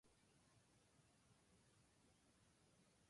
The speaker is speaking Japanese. これ、なんですか